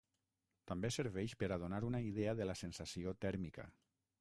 També serveix per a donar una idea de la sensació tèrmica.